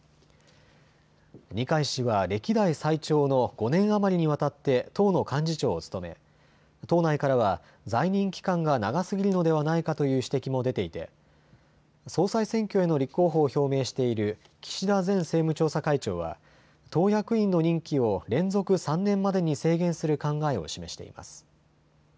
二階氏は歴代最長の５年余りにわたって党の幹事長を務め党内からは在任期間が長すぎるのではないかという指摘も出ていて総裁選挙への立候補を表明している岸田前政務調査会長は党役員の任期を連続３年までに制限する考えを示しています。